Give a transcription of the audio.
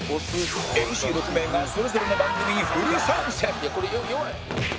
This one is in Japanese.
ＭＣ６ 名がそれぞれの番組にフル参戦！